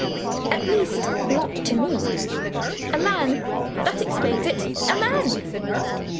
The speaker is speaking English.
At least, not to me. A man that explains it a man!